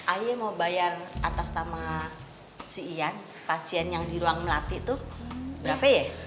ayo mau bayar atas sama si yan pasien yang di ruang melatih tuh berapa ya